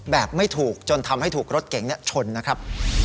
ไม่ถูกจนทำให้ถูกรถเก๋งชนนะครับ